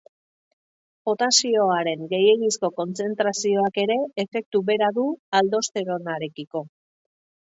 Potasioaren gehiegizko kontzentrazioak ere efektu bera du aldosteronarekiko.